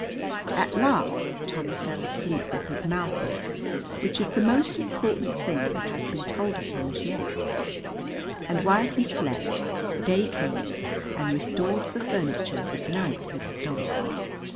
At last Tommy fell asleep with his mouth open, which is the most important thing that has been told of him as yet, and while he slept day came and restored the furniture that night had stolen.